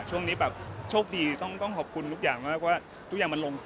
ช่วงนี้แบบโชคดีต้องขอบคุณทุกอย่างมากว่าทุกอย่างมันลง